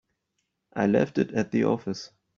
I left it at the office.